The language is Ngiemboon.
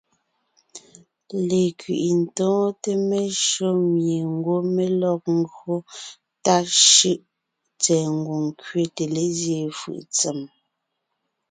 Lekẅi’i tóonte meshÿó mie ńgwɔ́ mé lɔg ńgÿo tà shʉ́ʼ tsɛ̀ɛ ngwòŋ kẅete lézyéen fʉʼ ntsèm.